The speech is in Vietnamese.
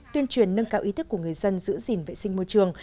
tuyên truyền nâng cao ý thức của người dân giữ gìn vệ sinh môi trường